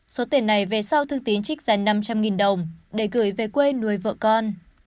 số tiền này về sau thương tín trích ra năm trăm linh đồng để gửi về quê nuôi vợ con